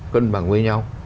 cân bằng với nhau